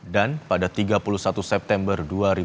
dan pada tiga puluh satu september dua ribu enam belas